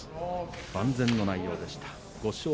万全の内容でした。